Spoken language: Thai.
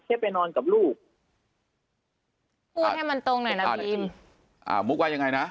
ไปนอนกับลูกพูดให้มันตรงหน่อยนะพีมอ่ามุกว่ายังไงนะ